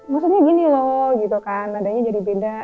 maksudnya gini loh gitu kan nadanya jadi beda